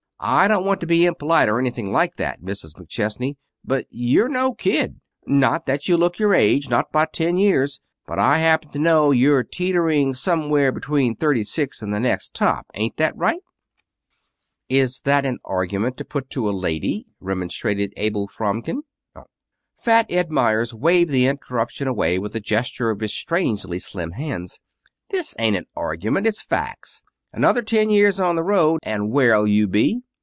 I don't want to be impolite, or anything like that, Mrs. McChesney, but you're no kid. Not that you look your age not by ten years! But I happen to know you're teetering somewhere between thirty six and the next top. Ain't that right?" "Is that a argument to put to a lady?" remonstrated Abel Fromkin. Fat Ed Meyers waved the interruption away with a gesture of his strangely slim hands. "This ain't an argument. It's facts. Another ten years on the road, and where'll you be?